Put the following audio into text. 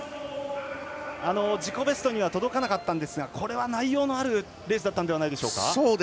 自己ベストには届かなかったんですがこれは内容のあるレースだったんじゃないでしょうか。